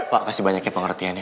pak kasih banyaknya pengertiannya